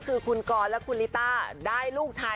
กูกันไปมาอีบดีกว่า